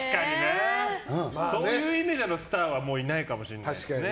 そういう意味でのスターはもういないかもしれないですね。